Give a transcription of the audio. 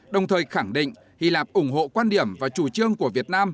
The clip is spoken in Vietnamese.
đồng thời khẳng định hy lạp ủng hộ quan điểm và chủ trương của việt nam